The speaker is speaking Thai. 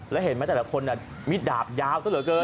แล้วเห็นไหมแต่ละคนมิดดาบยาวซะเหลือเกิน